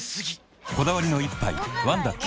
こだわりの一杯「ワンダ極」